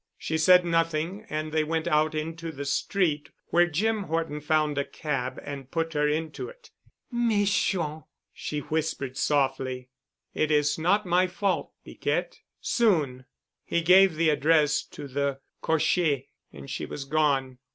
She said nothing and they went out into the street where Jim Horton found a cab and put her into it. "Méchant!" she whispered softly. "It is not my fault, Piquette. Soon——" He gave the address to the cocher and she was gone.